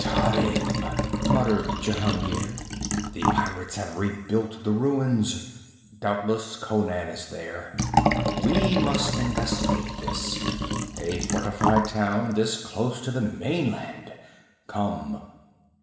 'Tarim!' muttered Jehungir. 'The pirates have rebuilt the ruins! Doubtless Conan is there. We must investigate this. A fortified town this close to the mainland! Come!'